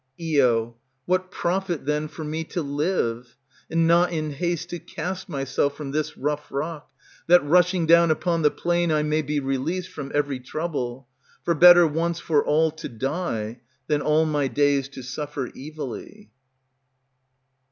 Io. What profit, then, for me to live, and not in haste To cast myself from this rough rock, That rushing down upon the plain I may be released From every trouble? For better once for all to die, Than all my days to suffer evilly.